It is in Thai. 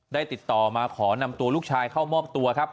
ติดต่อมาขอนำตัวลูกชายเข้ามอบตัวครับ